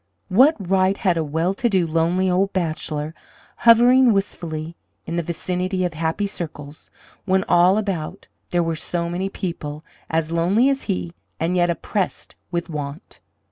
What right had a well to do, lonely old bachelor hovering wistfully in the vicinity of happy circles, when all about there were so many people as lonely as he, and yet oppressed with want?